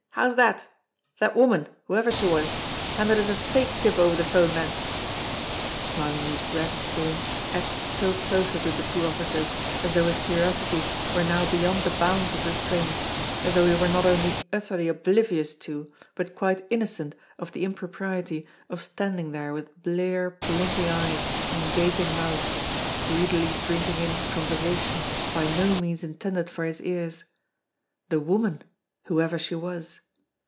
How's that? That woman, whoever she was, handed us a fake tip over the phone, then ?" Smarlinghue's ragged form edged still closer to the two officers, as though his curiosity were now beyond the bounds of restraint, as though he were not only utterly oblivious to, but quite innocent of the impropriety of standing there with blear, blinking eyes and gaping mouth, greedily drinking in a conversation by no means intended for his ears. The woman, whoever she was!